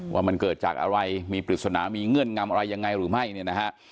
ว่ามันเกิดจากอะไรมีปริศนามีเงื่อนงำอะไรยังไงหรือไม่เนี่ยนะฮะ